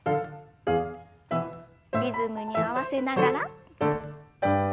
リズムに合わせながら。